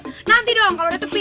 nanti dong kalau udah tepi